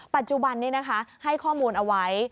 ปัจจุบันนี้นะคะให้ข้อมูลเอาไว้